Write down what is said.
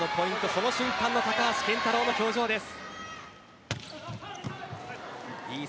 その瞬間の高橋健太郎の表情です。